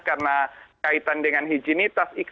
karena kaitan dengan hijinitas